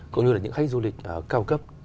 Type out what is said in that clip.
cũng như là những khách du lịch cao cấp